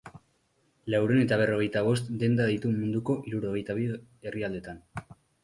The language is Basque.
Laurehun eta berrogeita bost denda ditu munduko hirurogeita bi herrialdetan.